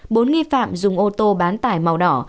bốn nghi phạm dùng ô tô bán tải màu đỏ